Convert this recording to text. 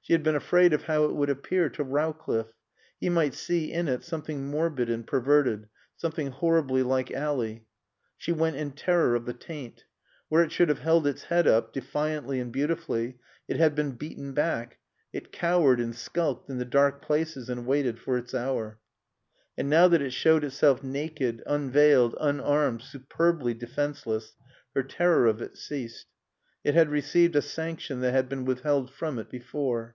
She had been afraid of how it would appear to Rowcliffe. He might see in it something morbid and perverted, something horribly like Ally. She went in terror of the taint. Where it should have held its head up defiantly and beautifully, it had been beaten back; it cowered and skulked in the dark places and waited for its hour. And now that it showed itself naked, unveiled, unarmed, superbly defenseless, her terror of it ceased. It had received a sanction that had been withheld from it before.